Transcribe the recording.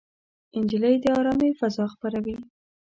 نجلۍ د ارامۍ فضا خپروي.